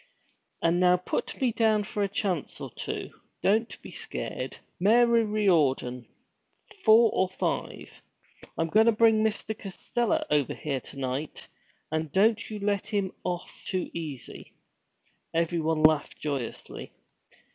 And now put me down for a chance or two; don't be scared, Mary Riordan; four or five! I'm goin' to bring Mr. Costello over here to night, and don't you let him off too easy.' Everyone laughed joyously.